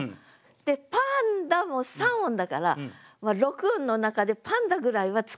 で「パンダ」も３音だから６音の中で「パンダ」ぐらいは使えるかなと。